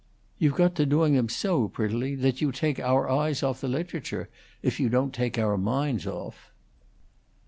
You've got to doing them so prettily that you take our eyes off the literature, if you don't take our minds off."